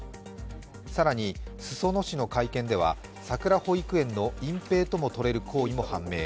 更に、裾野市の会見ではさくら保育園の隠蔽ともとれる行為も判明。